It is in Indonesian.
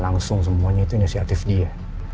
langsung semuanya itu inisiatif dia